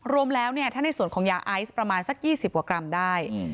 รวมแล้วถ้าในส่วนของยาไอซ์ประมาณสัก๒๐กว่ากรัมได้